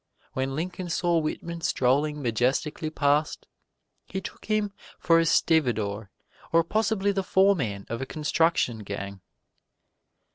When Lincoln saw Whitman strolling majestically past, he took him for a stevedore or possibly the foreman of a construction gang.